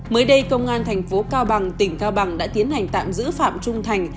mới đây công an thành phố cao bằng tỉnh cao bằng đã tiến hành tạm giữ phạm trung thành